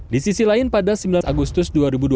di sisi lain pada sembilan agustus dua ribu dua puluh